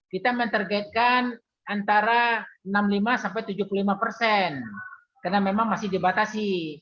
kita mentargetkan antara enam puluh lima sampai tujuh puluh lima persen karena memang masih dibatasi